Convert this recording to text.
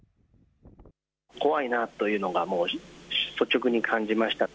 怖いなというのが率直に感じました。